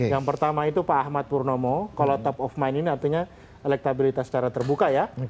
yang pertama itu pak ahmad purnomo kalau top of mind ini artinya elektabilitas secara terbuka ya